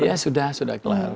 ya sudah sudah kelar